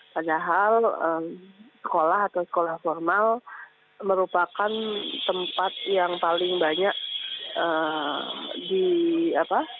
padahal sekolah atau sekolah formal merupakan tempat yang paling banyak di apa